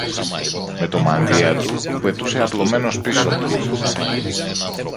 με το μανδύα του που πετούσε απλωμένος πίσω του